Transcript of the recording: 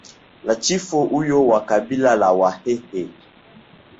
la chifu huyo wa kabila la wahehe